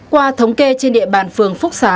qua thống kê trên địa bàn phường phúc xá